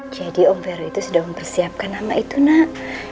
jadi om vero itu sudah mempersiapkan nama itu nak